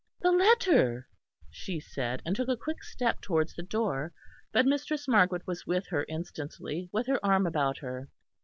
"The letter!" she said; and took a quick step towards the door; but Mistress Margaret was with her instantly, with her arm about her.